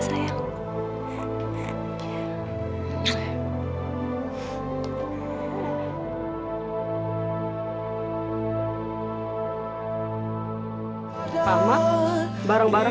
saya atau robin